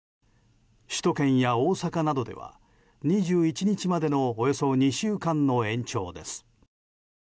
首都圏や大阪などでは２１日までのおよそ２週間の延長です。